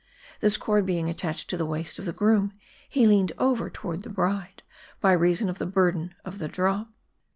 This cord being attached to the waist of the groom, he leaned over toward the bride, by reason of the burden of the drop.